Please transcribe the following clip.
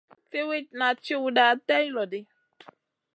Siwitna tchiwda tay lo ɗi.